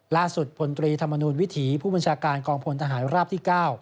พลตรีธรรมนูลวิถีผู้บัญชาการกองพลทหารราบที่๙